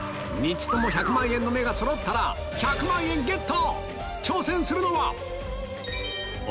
つとも１００万円の目がそろったら１００万円ゲット！